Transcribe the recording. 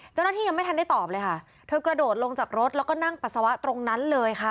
ยังไม่ทันได้ตอบเลยค่ะเธอกระโดดลงจากรถแล้วก็นั่งปัสสาวะตรงนั้นเลยค่ะ